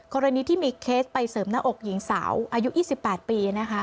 กรณีที่มีเคสไปเสริมหน้าอกหญิงสาวอายุ๒๘ปีนะคะ